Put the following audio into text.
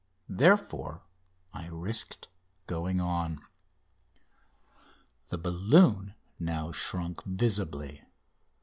Therefore I risked going on. The balloon now shrunk visibly.